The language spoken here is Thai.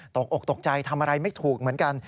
ตกอกตกใจทำอะไรไม่ถูกเหมือนกัน